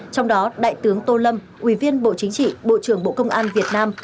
trong đó đại tướng tô lâm ủy viên bộ chính trị bộ trưởng bộ công an việt nam